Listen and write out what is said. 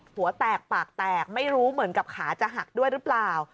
หัวแตกปากแตกไม่รู้เหมือนกับขาจะหักด้วยหรือเปล่า